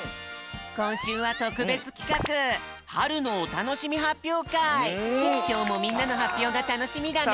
こんしゅうはとくべつきかくきょうもみんなのはっぴょうがたのしみだね！